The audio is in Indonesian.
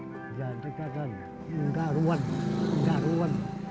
jangan dikatakan nggak ruwet